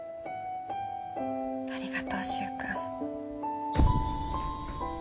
ありがとう柊君。